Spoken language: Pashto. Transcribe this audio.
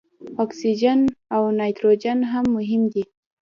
اکسیجن او نایتروجن هم مهم دي.